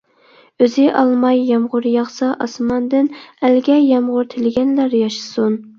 ئۆزى ئالماي، يامغۇر ياغسا ئاسماندىن، ئەلگە يامغۇر تىلىگەنلەر ياشىسۇن.